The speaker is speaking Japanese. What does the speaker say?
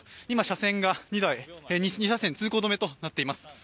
今、車線が２車線通行止めとなっています。